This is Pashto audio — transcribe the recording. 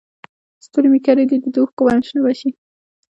ستوري مې کرلي دي د اوښکو وایم شنه به شي